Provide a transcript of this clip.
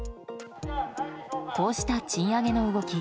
こうした賃上げの動き